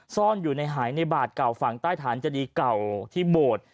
ซ่อนอยู่ในหายในบาทเก่าฝั่งใต้ฐานเจดีเก่าที่โบสถ์